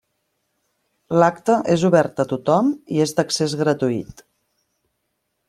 L'acte és obert a tothom i és d'accés gratuït.